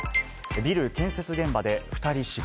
ビル建設現場で２人死亡。